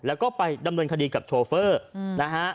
แล้วก็ไปดำเนินคดีกับโชเฟอร์นะฮะ